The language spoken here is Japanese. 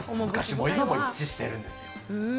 昔も今も一致しているんです。